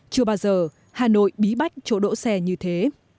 chưa bao giờ hà nội bí bách chỗ đỗ xe như thế